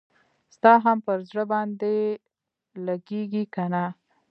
ستا هم پر زړه باندي لګیږي کنه؟